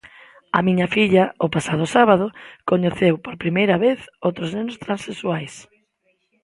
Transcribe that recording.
A milla filla o pasado sábado coñeceu por primeira vez outros nenos transexuais.